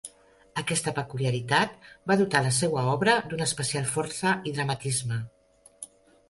Aquesta peculiaritat va dotar la seua obra d'una especial força i dramatisme.